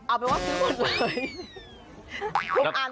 อ้าวแต่ว่าซื้อหมดเลย